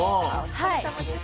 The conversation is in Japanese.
お疲れさまです。